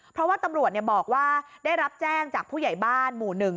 เพราะว่าตำรวจบอกว่าได้รับแจ้งจากผู้ใหญ่บ้านหมู่๑